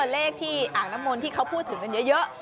เลขที่อังละมนธ์พูดถึงเยอะ